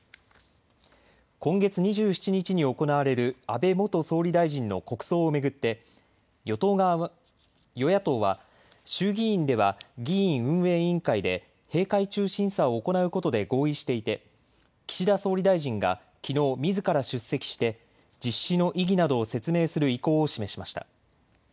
今月２７日に行われる安倍元総理大臣の国葬を巡って与野党は衆議院では議院運営委員会で閉会中審査を行うことで合意していて岸田総理大臣がきのう、みずから出席して実施の意義などを説明する意向を示しました。